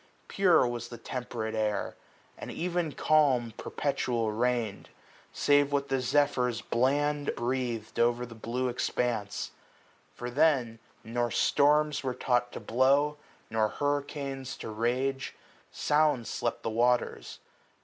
Pure was the temp'rate air ; an even calm Perpetual reign'd, save what the zephyrs bland Breath'd o'er the blue expanse ; for then nor storms Were taught to blow, nor hurricanes to rage j ^^s Sound slept the waters.